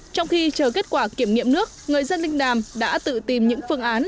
trong khi chờ kết quả kiểm nghiệm nước người dân linh đàm đã tự tìm những phương án